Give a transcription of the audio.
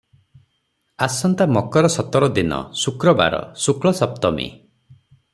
ଆସନ୍ତା ମକର ସତର ଦିନ, ଶୁକ୍ରବାର, ଶୁକ୍ଳ ସପ୍ତମୀ ।